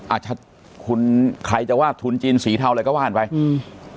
อาจจะคุณใครจะว่าทุนจีนสีเทาอะไรก็ว่ากันไปอืม